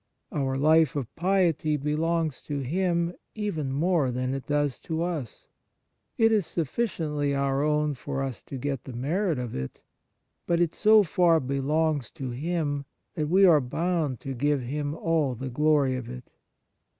Our life of piety belongs to Him even more than it does to us. It is sufficiently our own for us to get the merit of it ; but it so far belongs to Him that we are bound to give Him all the glory of it.